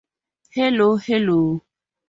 Hello, hello!